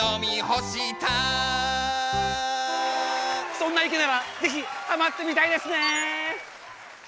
そんないけならぜひはまってみたいですね！